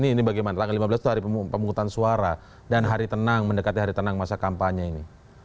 ini bagaimana tanggal lima belas itu hari pemungutan suara dan hari tenang mendekati hari tenang masa kampanye ini